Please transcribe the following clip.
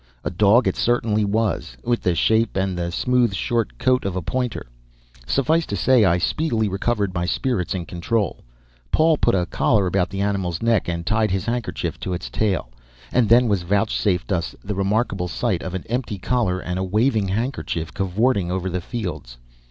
A dog it certainly was, with the shape and the smooth, short coat of a pointer. Suffice to say, I speedily recovered my spirits and control. Paul put a collar about the animal's neck and tied his handkerchief to its tail. And then was vouchsafed us the remarkable sight of an empty collar and a waving handkerchief cavorting over the fields.